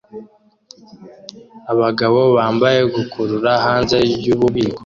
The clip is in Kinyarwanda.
Abagabo bambaye gukurura hanze yububiko